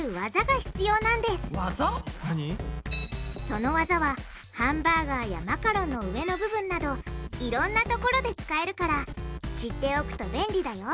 その技はハンバーガーやマカロンの上の部分などいろんなところで使えるから知っておくと便利だよ！